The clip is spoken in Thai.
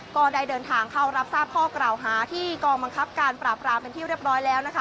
ก็ได้เดินทางเข้ารับทราบข้อกล่าวหาที่กองบังคับการปราบรามเป็นที่เรียบร้อยแล้วนะคะ